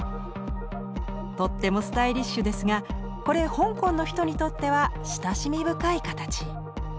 とってもスタイリッシュですがこれ香港の人にとっては親しみ深い形。